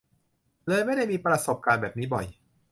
เลยไม่ได้มีประสบการณ์แบบนี้บ่อย